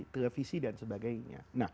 televisi dan sebagainya